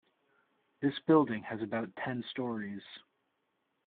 This building has about ten storeys.